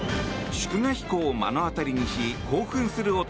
祝賀飛行を目の当たりにし興奮する弟